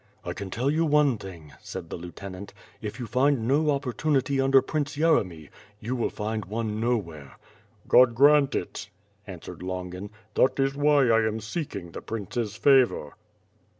"I can tell you one thing," said the lieutenant, "if you find no apportunity under Prince Yeremy, you will find one no where." "God grant it!" answered Longin. "That is why I am seek ing the Prince's favor."